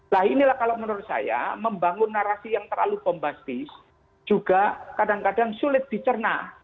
nah inilah kalau menurut saya membangun narasi yang terlalu bombastis juga kadang kadang sulit dicerna